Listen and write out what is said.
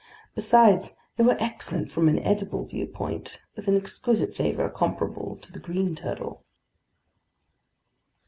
Besides, they were excellent from an edible viewpoint, with an exquisite flavor comparable to the green turtle.